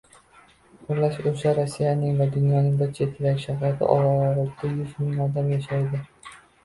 Xullas, o‘sha Rossiyaning va dunyoning bir chetidagi shaharda olti yuzming odam yashaydi.